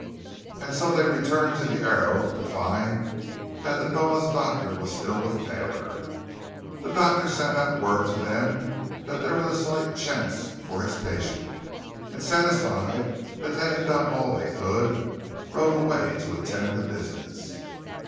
And so they returned to the Arrow, to find that the Dawes doctor was still with Taylor. The doctor sent out word to them that there was a slight chance for his patient, and satisfied that they had done all they could, they rode away, to attend to "business."